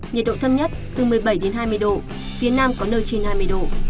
nhiệt độ thấp nhất từ một mươi bảy đến hai mươi độ phía nam có nơi trên hai mươi độ